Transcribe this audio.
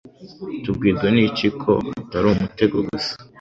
Tubwirwa n'iki ko atari umutego gusa?